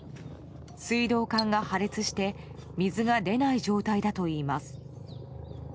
水道管が破裂して水が出ない状態だといいます。